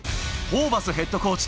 ホーバスヘッドコーチ。